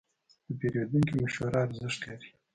د پیرودونکي مشوره ارزښت لري.